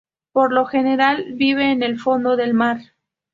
Por lo general viven en el fondo del mar.